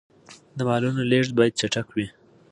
د مالونو لېږد باید چټک وي.